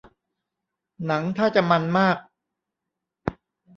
หนังท่าจะมันส์มาก